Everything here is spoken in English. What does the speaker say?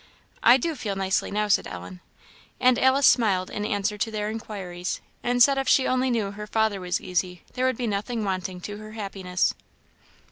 "I do feel nicely now," said Ellen. And Alice smiled in answer to their inquiries, and said if she only knew her father was easy, there would be nothing wanting to her happiness.